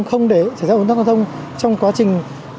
không để trở ra ổn thất giao thông trong quá trình